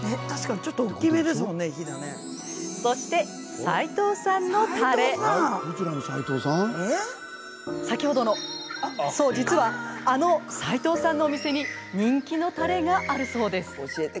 そして先ほどのそう実はあの齋藤さんのお店に人気のたれがあるそうです。